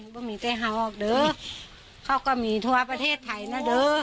ไม่มีใครหาออกเขาก็มีทุกประเทศไทยนะ